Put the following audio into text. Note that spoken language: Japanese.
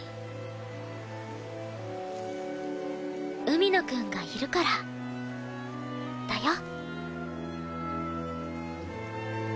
海野くんがいるからだよ。